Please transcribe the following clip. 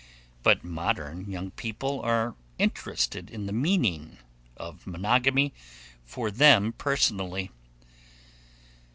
But modern young people are interested in the meaning of monogamy for them personally.